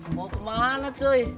mau kemana cuy